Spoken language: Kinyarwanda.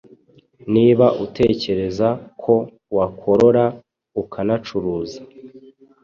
Niba utekereza ko wakorora ukanacuruza